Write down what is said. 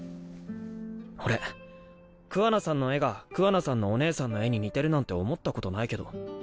俺桑名さんの絵が桑名さんのお姉さんの絵に似てるなんて思ったことないけど。